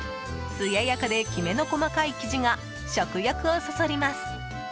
つややかで、きめの細かい生地が食欲をそそります。